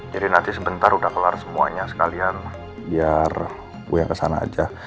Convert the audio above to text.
jadi nanti sebentar udah keluar semuanya sekalian biar gue yang ke sana aja